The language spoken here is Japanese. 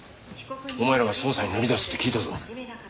お前らが捜査に乗り出すって聞いたぞ。